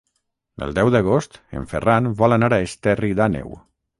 El deu d'agost en Ferran vol anar a Esterri d'Àneu.